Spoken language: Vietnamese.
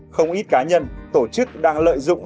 không ít cá nhân tổ chức đang lợi dụng